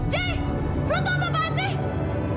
jay lo tuh apa apaan sih